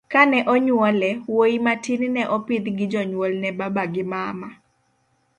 kane onyuole, wuoyi matin ne opidh gi jonyuol ne baba gi mama